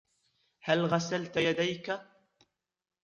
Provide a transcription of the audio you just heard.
هل غسلت يديك ؟